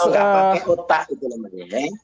tidak pakai kota itu namanya